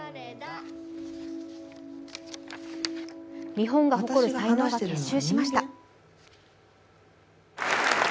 日本が誇る才能が結集しました。